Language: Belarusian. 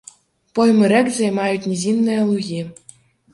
Поймы рэк займаюць нізінныя лугі.